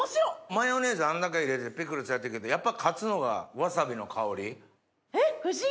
マヨネーズあんだけ入れてピクルスやってるけどやっぱ勝つのがわさびの香り。